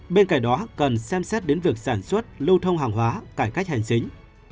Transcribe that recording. bên cạnh đó cần xem xét đến việc sản xuất lưu thông hàng hóa cải cách hành chính